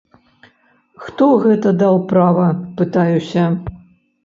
Хто гэта даў права, пытаюся!?